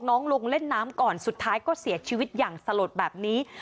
ลงเล่นน้ำก่อนสุดท้ายก็เสียชีวิตอย่างสลดแบบนี้